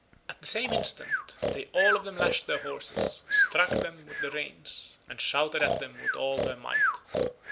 At the same instant they all of them lashed their horses, struck them with the reins, and shouted at them with all their might.